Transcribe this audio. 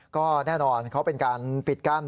ก็แน่นอนเขาเป็นการปิดกั้น